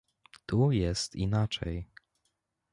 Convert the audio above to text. Tu jest inaczej